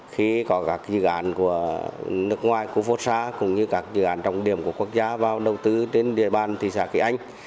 khi có các dự án của nước ngoài khu phố xa cũng như các dự án trọng điểm của quốc gia vào đầu tư trên địa bàn thị xã kỳ anh